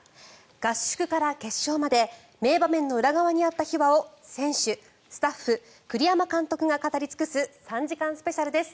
合宿から決勝まで名場面の裏側にあった秘話を選手、スタッフ、栗山監督が語り尽くす３時間スペシャルです。